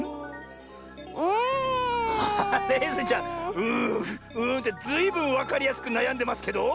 「うんうん」ってずいぶんわかりやすくなやんでますけど！